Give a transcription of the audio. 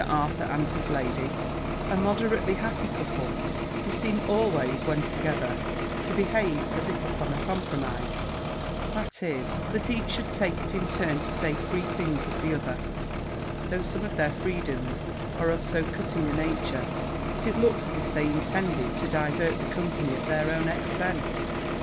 Arthur and his lady, a moderately happy couple, who seem always, when together, to behave as if upon a compromise; that is, that each should take it in turn to say free things of the other; though some of their freedoms are of so cutting a nature, that it looks as if they intended to divert the company at their own expense.